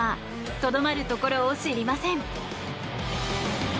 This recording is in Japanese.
とどまるところを知りません。